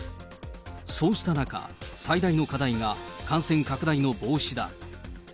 そうした中、最大の課題が感染拡大の防止だ。